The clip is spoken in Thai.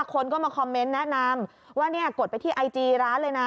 คนก็มาคอมเมนต์แนะนำว่าเนี่ยกดไปที่ไอจีร้านเลยนะ